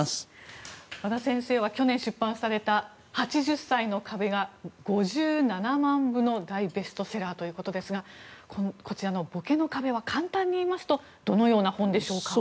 和田先生は去年出版された「８０歳の壁」が５７万部の大ベストセラーということですがこちらの「ぼけの壁」は簡単に言いますとどのような本でしょうか。